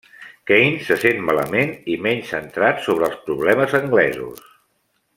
Keynes se sent malament i menys centrat sobre els problemes anglesos.